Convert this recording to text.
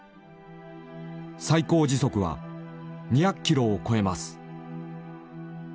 「最高時速は２００キロを超えます」。